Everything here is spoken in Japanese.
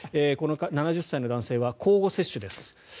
この７０歳の男性は交互接種です。